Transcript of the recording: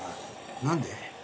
何で？